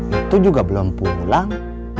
itu juga belum pulang